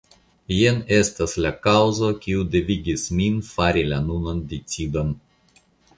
Jen estas la kaŭzo, kiu devigis min fari la nunan decidon.